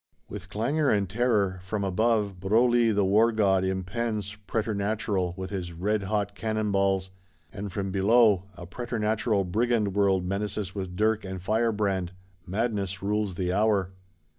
With clangour and terror: from above, Broglie the war god impends, preternatural, with his redhot cannon balls; and from below, a preternatural Brigand world menaces with dirk and firebrand: madness rules the hour.